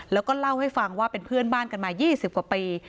แล้วก็เล่าให้ฟังว่าเป็นเพื่อนบ้านกันมา๒๐กว่าปี